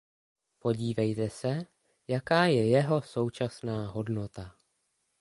Podívejte se, jaká je jeho současná hodnota.